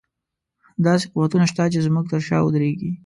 داسې قوتونه شته چې زموږ تر شا ودرېږي.